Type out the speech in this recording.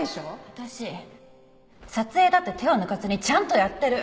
私撮影だって手を抜かずにちゃんとやってる。